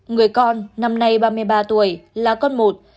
người con năm nay ba mươi ba tuổi là con một